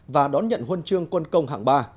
và đón nhận huân chương quân công hạng ba